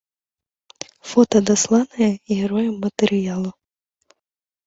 Фота дасланае героем матэрыялу.